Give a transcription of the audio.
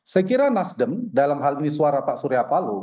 saya kira nasdem dalam hal ini suara pak surya palo